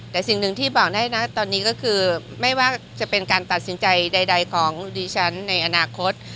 แต่สิ่งหนึ่งที่บอกได้นะตอนนี้ก็คือไม่ว่าจะเป็นการตัดสินใจใดของดิฉันในอนาคต